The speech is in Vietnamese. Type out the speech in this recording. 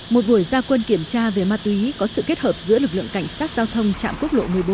một buổi gia quân kiểm tra về ma túy có sự kết hợp giữa lực lượng cảnh sát giao thông trạm quốc lộ một mươi bốn